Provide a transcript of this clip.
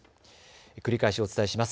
繰り返しお伝えします。